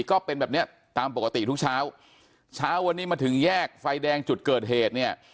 ก็เป็นแบบเนี้ยตามปกติทุกเช้าเช้าวันนี้มาถึงแยกไฟแดงจุดเกิดเหตุเนี่ย